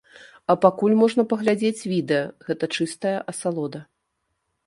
А пакуль можна паглядзець відэа, гэта чыстая асалода.